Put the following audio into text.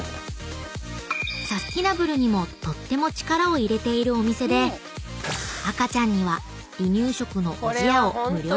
［サスティナブルにもとっても力を入れているお店で赤ちゃんには離乳食のおじやを無料で提供］